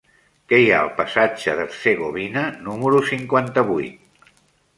Què hi ha al passatge d'Hercegovina número cinquanta-vuit?